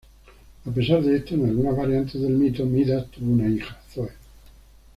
A pesar de esto, en algunas variantes del mito, Midas tuvo una hija, Zoë.